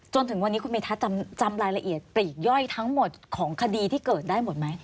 จนถึงวันนี้คุณเมธัศนจำรายละเอียดปลีกย่อยทั้งหมดของคดีที่เกิดได้หมดไหม